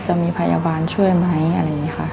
จะมีพยาบาลช่วยไหมอะไรอย่างนี้ค่ะ